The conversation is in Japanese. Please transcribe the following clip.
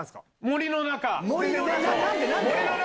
森の中。